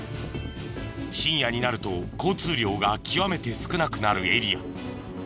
深夜になると交通量が極めて少なくなるエリア。